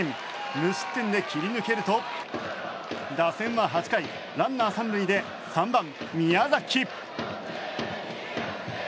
無失点で切り抜けると打線は８回、ランナー３塁で３番、宮崎。